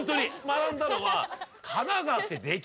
学んだのは。